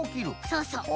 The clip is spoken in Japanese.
そうそう。